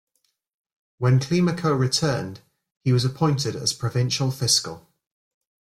When Climaco returned, he was appointed as provincial fiscal.